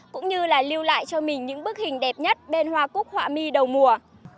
cũng như là lưu lại cho mình những bức hình đẹp nhất bên hoa cúc họa mi đầu mùa